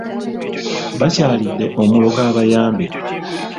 Baakyalidde omulogo abayambe.